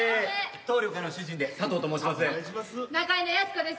当旅館の主人で佐藤と申します。